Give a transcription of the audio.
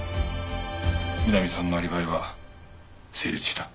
美波さんのアリバイは成立した。